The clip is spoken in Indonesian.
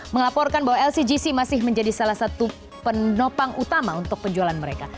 melaporkan bahwa lcgc masih menjadi salah satu penopang utama untuk penjualan mereka